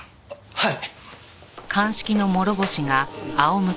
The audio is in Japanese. はい。